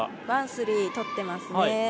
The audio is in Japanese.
ワン、スリー取ってますね。